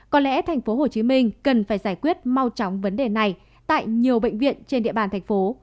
có lẽ tp hcm cần phải giải quyết mau chóng vấn đề này tại nhiều bệnh viện trên địa bàn thành phố